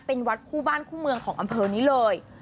เป็นวัดคู่บ้านคู่เมืองของอำเภอนี้เลย